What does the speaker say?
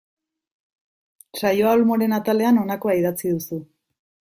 Saioa Olmoren atalean honakoa idatzi duzu.